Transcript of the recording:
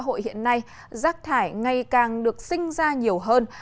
trong lĩnh vực xã hội hiện nay giác thải ngày càng được sinh ra nhiều hơn